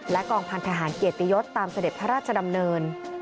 กองพันธหารเกียรติยศตามเสด็จพระราชดำเนิน